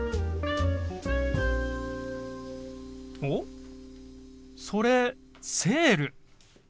おっそれ「セール」。